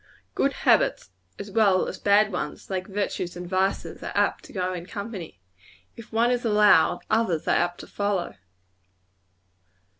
Good habits, as well as bad ones, like virtues and vices, are apt to go in company. If one is allowed, others are apt to follow.